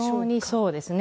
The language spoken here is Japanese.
そうですね。